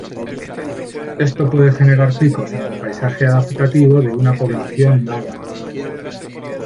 Esto puede generar picos en el paisaje adaptativo de una población dada.